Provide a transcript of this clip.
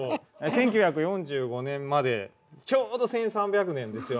１９４５年までちょうど１，３００年ですよ。